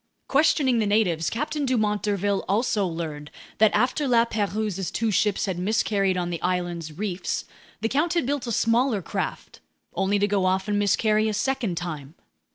Questioning the natives, Captain Dumont d'Urville also learned that after La Pérouse's two ships had miscarried on the island's reefs, the count had built a smaller craft, only to go off and miscarry a second time.